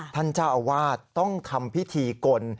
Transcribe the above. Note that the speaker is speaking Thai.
ท่านเจ้าอาวาสต้องทำพิธีกล